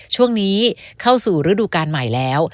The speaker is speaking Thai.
ช่วงนี้เข้าสู่ฤดูการใหม่แล้ว